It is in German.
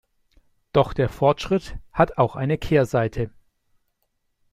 Doch der Fortschritt hat auch eine Kehrseite.